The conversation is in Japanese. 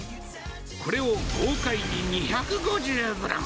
これを豪快に２５０グラム。